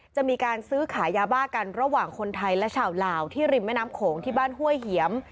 จะมีการซื้อขายยาบ้ากันระหว่างคนไทยและชาวลาวที่ริมแม่น้ำโขงที่บ้านห้วยเหียม